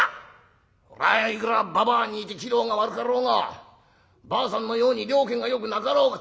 そらいくらばばあに似て器量が悪かろうがばあさんのように了見がよくなかろうが」。